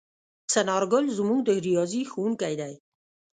څنارګل زموږ د ریاضي ښؤونکی دی.